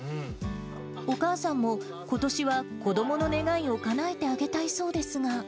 お母さんも、ことしは子どもの願いをかなえてあげたいそうですが。